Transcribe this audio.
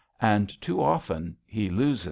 And too often he loses.